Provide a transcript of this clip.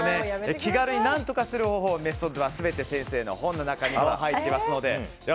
気軽に何とかする方法メソッドは全て先生の本の中に入っていますので。